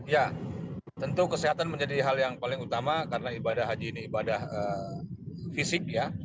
ya tentu kesehatan menjadi hal yang paling utama karena ibadah haji ini ibadah fisik ya